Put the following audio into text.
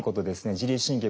自律神経